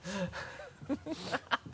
ハハハ